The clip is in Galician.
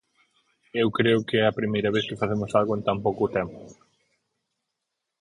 Eu creo que é a primeira vez que facemos algo en tan pouco tempo.